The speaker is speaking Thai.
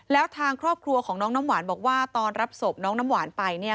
แล้วทางครอบครัวของน้องน้ำหวานบอกว่าตอนรับศพน้องน้ำหวานไปเนี่ย